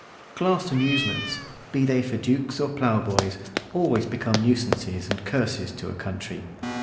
Class amusements, be they for dukes or ploughboys, always become nuisances and curses to a country.